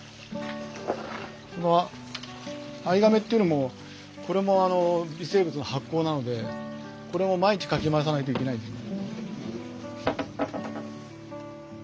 この藍がめっていうのもこれもあの微生物の発酵なのでこれも毎日かき回さないといけないんですよ。